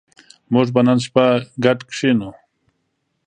موږ به نن شپه ګډ کېنو